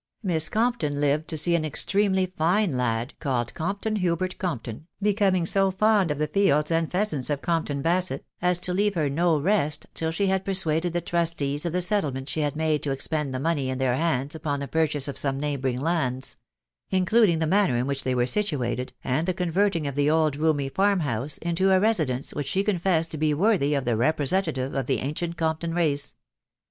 Miss Compton lived to see an extremely fine lad, called Compton Hubert Compton, becoming so fond of the fields and the pheasants of Compton Basett, as to leave her no rest till she had persuaded the trustees of the settlement she had made to expend the money in their hands upon the purchase of some neighbouring lands, — including the manor in which they were situated, and the converting of the old roomy farm house into a residence which she confessed to be worthy of the re* presentative of the ancient Cowvpxaw xace.